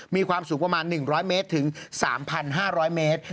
มีความสูงประมาณ๑๐๐เมตรถึง๓๕๐๐เมตร